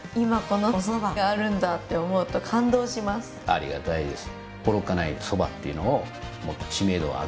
ありがたいです。